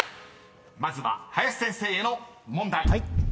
［まずは林先生への問題］